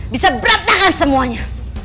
bisa berat tangan semuanya